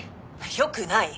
よくない！